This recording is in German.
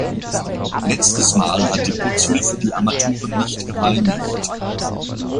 Letztes Mal hat die Putzhilfe die Armaturen nicht gereinigt.